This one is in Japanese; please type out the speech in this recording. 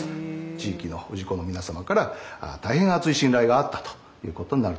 地域の氏子の皆様から大変厚い信頼があったということになると思います。